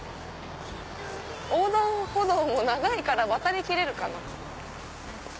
横断歩道も長いから渡りきれるかな。